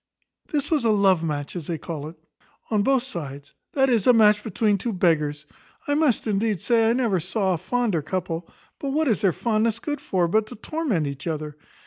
"This was a love match, as they call it, on both sides; that is, a match between two beggars. I must, indeed, say, I never saw a fonder couple; but what is their fondness good for, but to torment each other?"